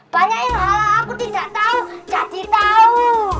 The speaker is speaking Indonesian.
banyak yang hal hal aku tidak tahu jadi tahu